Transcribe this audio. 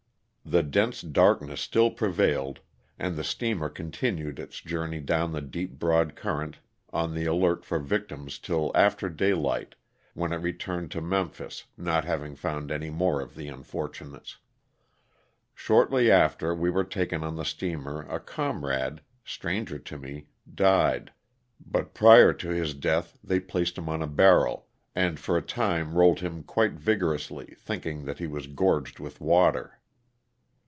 The dense darkness still prevailed and the steamer continued its journey down the deep broad current on the alert for victims till after daylight, when it re turned to Memphis not having found any more of the unfortunates. Shortly after we were taken on the steamer a comrade (stranger to me) died, but prior to to his death they placed him on a barrel and for a time rolled him quite vigorously, thinking that he was gorged with water.